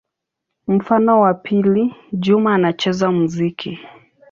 Mfano wa pili: Juma anacheza muziki.